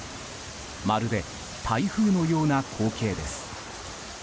まるで台風のような光景です。